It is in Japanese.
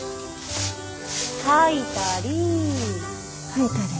掃いたり。